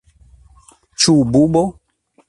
Ĉu bubo?